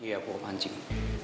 iya bu anjing